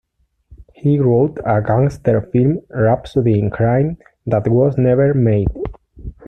He wrote a gangster film "Rhapsody in Crime" that was never made.